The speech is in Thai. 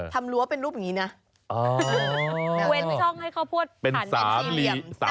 ทำรั้วเป็นรูปอย่างเงี้ยนะ